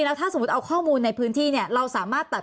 แล้วถ้าสมมุติเอาข้อมูลในพื้นที่เนี่ยเราสามารถตัด